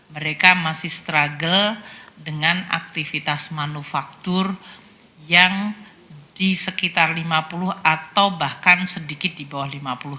mereka masih struggle dengan aktivitas manufaktur yang di sekitar lima puluh atau bahkan sedikit di bawah lima puluh